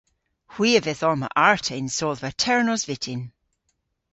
Hwi a vydh omma arta y'n sodhva ternos vyttin.